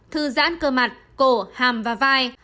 thư giãn cơ mặt cổ hàm và vai